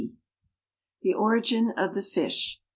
Meek. THE ORIGIN OF THE FISH.